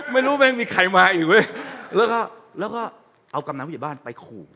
ไม่รู้มันมีใครมาหน่อยเว้ยแล้วก็เอากำลังวญบ้านมาหุบ